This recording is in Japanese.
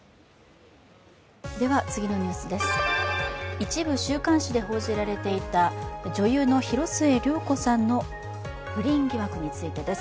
一部週刊誌で報じられていた女優の広末涼子さんの不倫疑惑についてです。